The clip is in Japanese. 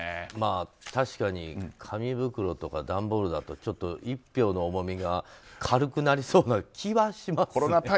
確かに紙袋とか段ボールだとちょっと一票の重みが軽くなりそうな気はしますけれどね。